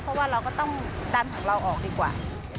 เพราะว่าเราก็ต้องดันของเราออกดีกว่า